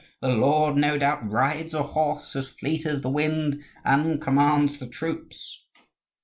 The lord no doubt rides a horse as fleet as the wind and commands the troops!"